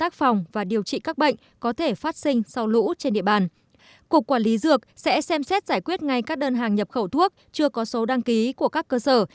cục quản lý dược sẽ xem xét giải quyết ngay các đơn hàng nhập khẩu thuốc chưa có số đăng ký của các cơ sở